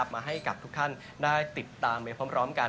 มาให้กับทุกท่านได้ติดตามไปพร้อมกัน